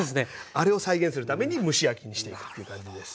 あれを再現するために蒸し焼きにしていくっていう感じです。